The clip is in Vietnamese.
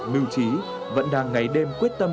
mưu trí vẫn đang ngày đêm quyết tâm